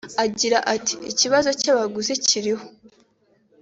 Agira ati " Ikibazo cy’abaguzi kiriho